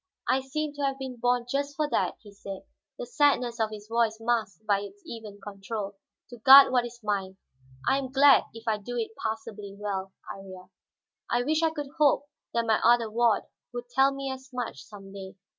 "I seem to have been born just for that," he said, the sadness of his voice masked by its even control, "to guard what is mine. I am glad if I do it passably well, Iría. I wish I could hope that my other ward would tell me as much, some day.